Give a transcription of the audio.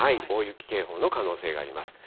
大雪警報の可能性があります。